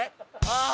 ああ！